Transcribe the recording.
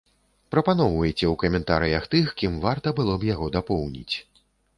Прапаноўвайце ў каментарыях тых, кім варта было б яго дапоўніць.